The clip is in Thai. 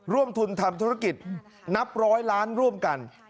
ร่วมทุนทำธุรกิจนับร้อยล้านร่วมกัน